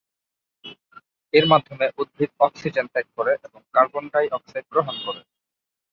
এর মাধ্যমে উদ্ভিদ অক্সিজেন ত্যাগ করে এবং কার্বন-ডাই-অক্সাইড গ্রহণ করে।